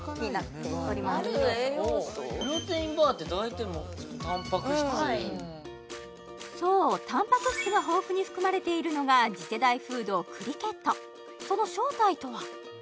プロテインバーって大体もうタンパク質そうタンパク質が豊富に含まれているのが次世代フードクリケットその正体とは？